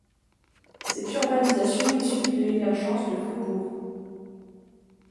Cette urbanisation est suivie de l'émergence de faubourgs.